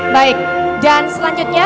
baik dan selanjutnya